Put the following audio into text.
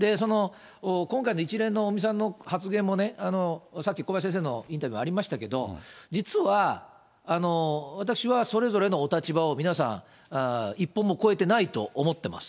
今回の一連の尾身さんの発言も、さっき小林先生のインタビューにもありましたけど、実は私は、それぞれのお立場を皆さん一歩も越えてないと思ってます。